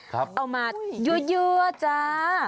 เอามาเยอะจ้า